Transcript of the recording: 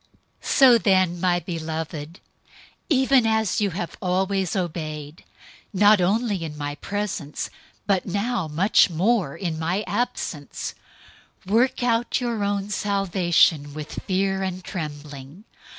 002:012 So then, my beloved, even as you have always obeyed, not only in my presence, but now much more in my absence, work out your own salvation with fear and trembling.